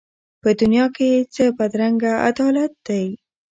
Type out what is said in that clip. په دنیا کي څه بدرنګه عدالت دی